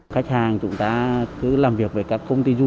khách hàng chúng ta cứ làm việc với các công ty trang ota